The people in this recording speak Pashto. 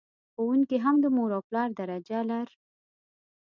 ښوونکي هم د مور او پلار درجه لر...